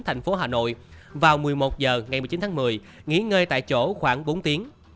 thành phố hà nội vào một mươi một h ngày một mươi chín tháng một mươi nghỉ ngơi tại chỗ khoảng bốn tiếng